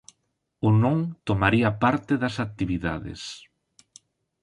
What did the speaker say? O non tomaría parte das actividades.